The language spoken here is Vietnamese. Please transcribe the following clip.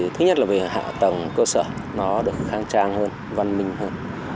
thứ nhất là hạ tầng cơ sở được khang trang hơn văn minh hơn